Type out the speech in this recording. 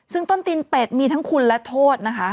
ซึ่งต้นตีนเป็ดมีทั้งคุณและโทษนะคะ